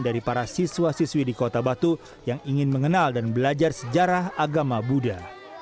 dari para siswa siswi di kota batu yang ingin mengenal dan belajar sejarah agama buddha